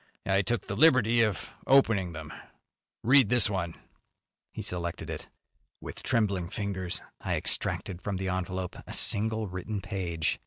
I took the liberty of opening them. Read this one." He selected it. With trembling fingers I extracted from the envelope a single written page.